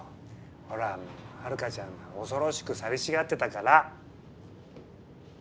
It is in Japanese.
ほらハルカちゃんが恐ろしく寂しがってたから。